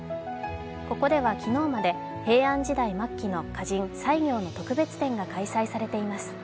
ここでは昨日まで平安時代末期の歌人・西行の特別展が開催されています。